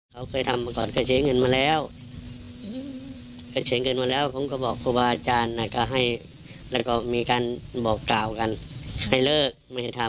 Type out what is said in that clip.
เขาเคยทำมาก่อนเคยเสียเงินมาแล้วเคยเสียเงินมาแล้วผมก็บอกครูบาอาจารย์ก็ให้แล้วก็มีการบอกกล่าวกันให้เลิกไม่ให้ทำ